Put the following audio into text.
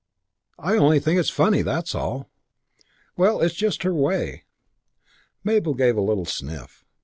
I only think it's funny, that's all." "Well, it's just her way." Mabel gave a little sniff.